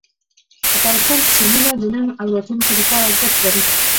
افغانستان کې سیندونه د نن او راتلونکي لپاره ارزښت لري.